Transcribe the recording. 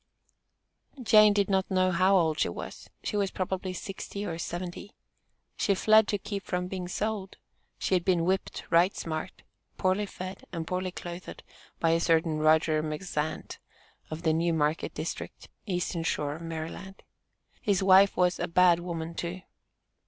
Jane did not know how old she was. She was probably sixty or seventy. She fled to keep from being sold. She had been "whipt right smart," poorly fed and poorly clothed, by a certain Roger McZant, of the New Market District, Eastern Shore of Maryland. His wife was a "bad woman too."